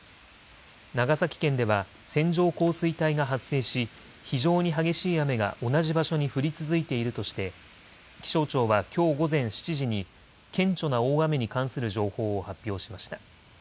長崎県では線状降水帯が発生し非常に激しい雨が同じ場所に降り続いているとして気象庁はきょう午前７時に顕著な大雨に関する情報を発表しました。